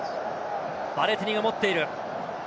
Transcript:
ヴァレティニが持っている。